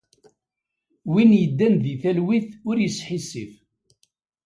Win yeddan di talwit ur yesḥissif.